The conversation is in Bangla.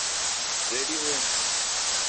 রেডি হয়ে নে।